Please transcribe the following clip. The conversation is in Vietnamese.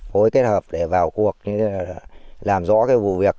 phối kết hợp để vào cuộc làm rõ cái vụ việc